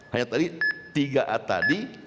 hanya tadi tiga a tadi